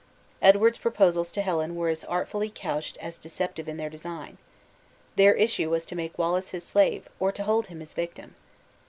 Edward's proposals to Helen were as artfully couched as deceptive in their design. Their issue was to make Wallace his slave, or to hold him his victim.